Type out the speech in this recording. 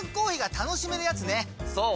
そう！